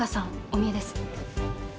お見えです。